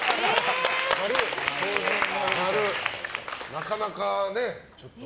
なかなかね、ちょっと。